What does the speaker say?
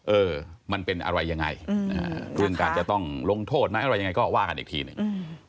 เออมันเป็นอะไรยังไงเรื่องการจะต้องลงโทษไหมอะไรยังไงก็ว่ากันอีกทีหนึ่ง